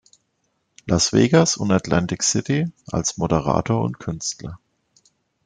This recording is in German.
Las Vegas und Atlantic City als Moderator und Künstler.